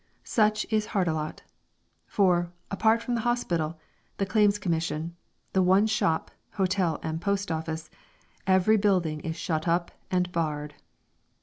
Such is Hardelot. For, apart from the hospital, the Claims Commission, the one shop, hotel and post office, every building is shut up and barred.